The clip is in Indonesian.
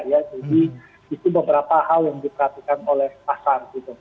jadi itu beberapa hal yang diperhatikan oleh pasar